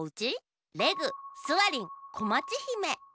レグスワリンこまちひめ。